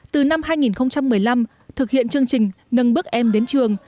từ năm hai nghìn một mươi năm thực hiện chương trình nâng bước em đến trường